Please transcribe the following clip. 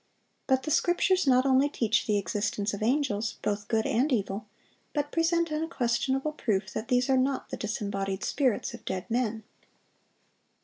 But the Scriptures not only teach the existence of angels, both good and evil, but present unquestionable proof that these are not the disembodied spirits of dead men.